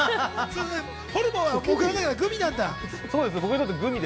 ホルモンは、もぐらはグミなんだ。